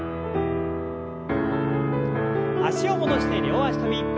脚を戻して両脚跳び。